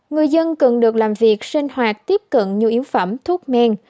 người dân cần được làm việc sinh hoạt tiếp cận nhu yếu phẩm thuốc men